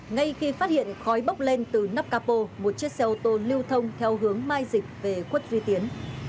ngay khi phát hiện khói bốc lên từ nắp capo một chiếc xe ô tô lưu thông theo hướng mai dịch về quất duy tiến